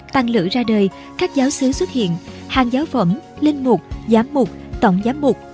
tăng lữ ra đời các giáo sứ xuất hiện hàng giáo phẩm linh mục giám mục tổng giám mục